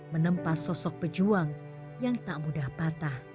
menempa sosok pejuang yang tak mudah patah